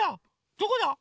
どこだ？